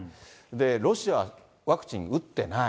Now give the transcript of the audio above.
ロシアはワクチン打ってない。